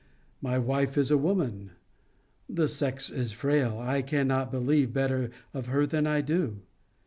My wife is a woman. The sex is frail. I cannot believe better of her than I do.